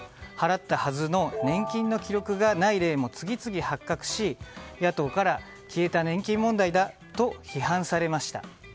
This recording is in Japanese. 払ったはずの年金の記録がない例も次々発覚し野党から消えた年金問題だと批判されました。